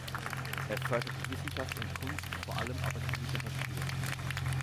Er förderte Wissenschaft und Kunst, vor allem aber die Literatur.